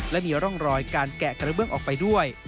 และมีร่องรอยการแกะกระเบื้องออกไปด้วย